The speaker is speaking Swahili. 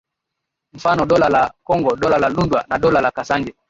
mfano Dola la Kongo Dola la Lunda na Dola la Kasanje